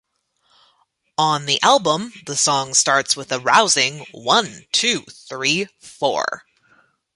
On the album, the song starts with a rousing "One, two, three, "four"!